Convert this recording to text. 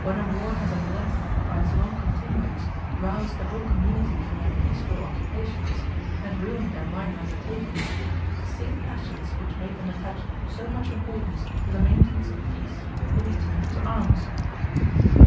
When a war has at length, by its long continuance, roused the whole community from their peaceful occupations and ruined their minor undertakings, the same passions which made them attach so much importance to the maintenance of peace will be turned to arms.